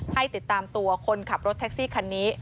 ให้ติดตามตัวคนขับรถแท็กซี่คันนี้